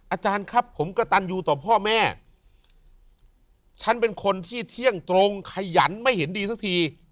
อาจารย์ครับผมกระตันอยู่ต่อพ่อแม่ฉันเป็นคนที่เที่ยงตรงขยันไม่เห็นดีสักที